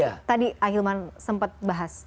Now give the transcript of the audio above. tadi ahilman sempat bahas